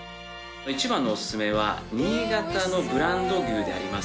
一番のおすすめは新潟のブランド牛であります